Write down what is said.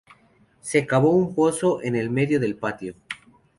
Se cavó un pozo en el medio del patio.